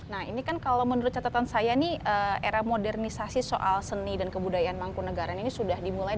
nah ini kan kalau menurut catatan saya nih era modernisasi soal seni dan kebudayaan mangkunagaran ini sudah dimulai